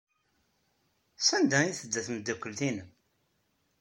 Sanda ay tedda tmeddakelt-nnem?